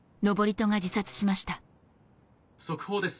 速報です